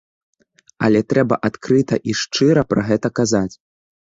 Але трэба адкрыта і шчыра пра гэта казаць.